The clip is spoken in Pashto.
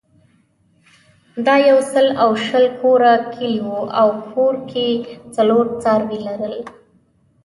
دا یو سل او شل کوره کلی وو او هر کور څلور څاروي لرل.